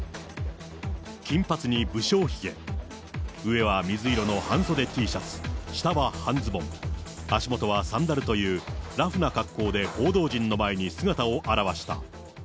金髪に無精ひげ、上は水色の半袖Ｔシャツ、下は半ズボン、足元はサンダルというラフな格好で報道陣の前に姿を現した。